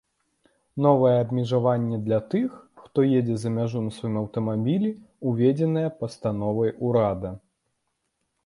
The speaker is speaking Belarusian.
Новае абмежаванне для тых, хто едзе за мяжу на сваім аўтамабілі, уведзенае пастановай урада.